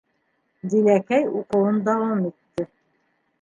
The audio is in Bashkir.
Диләкәй уҡыуын дауам итте: